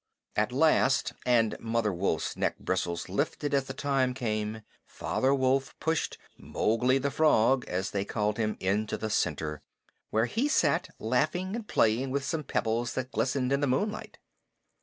At last and Mother Wolf's neck bristles lifted as the time came Father Wolf pushed "Mowgli the Frog," as they called him, into the center, where he sat laughing and playing with some pebbles that glistened in the moonlight.